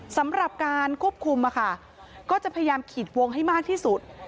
สำหรับการควบคุมก็จะพยายามขีดวงให้มากที่สุด